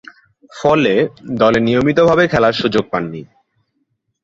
ফলে, দলে নিয়মিতভাবে খেলার সুযোগ পাননি।